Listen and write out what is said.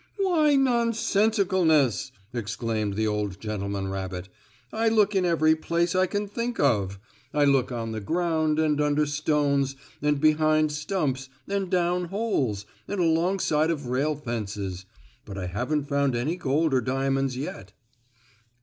"Why, nonsensicalness!" exclaimed the old gentleman rabbit. "I look in every place I can think of. I look on the ground, and under stones, and behind stumps, and down holes, and alongside of rail fences. But I haven't found any gold or diamonds yet."